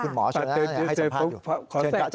คุณหมอช่วงหน้าให้สัมภาษณ์ด้วย